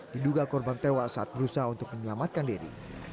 diduga korban tewas saat berusaha untuk menyelamatkan diri